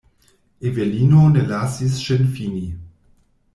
Evelino ne lasis ŝin fini.